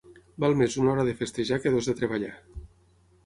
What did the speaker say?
Val més una hora de festejar que dues de treballar.